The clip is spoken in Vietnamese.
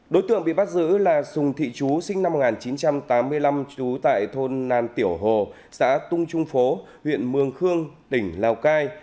đối tượng bị bắt giữ là sùng thị chú sinh năm một nghìn chín trăm tám mươi năm trú tại thôn nàn tiểu hồ xã tung trung phố huyện mường khương tỉnh lào cai